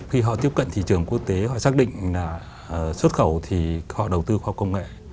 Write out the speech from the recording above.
khi họ tiếp cận thị trường quốc tế họ xác định là xuất khẩu thì họ đầu tư khoa công nghệ